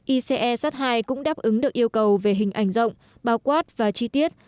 ice hai cũng đáp ứng được yêu cầu về hình ảnh rộng bao quát và chi tiết